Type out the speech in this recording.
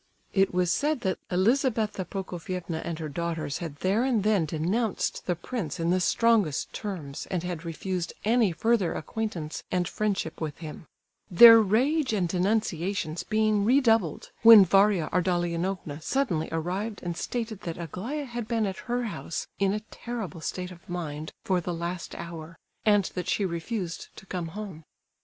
It was said that Elizabetha Prokofievna and her daughters had there and then denounced the prince in the strongest terms, and had refused any further acquaintance and friendship with him; their rage and denunciations being redoubled when Varia Ardalionovna suddenly arrived and stated that Aglaya had been at her house in a terrible state of mind for the last hour, and that she refused to come home.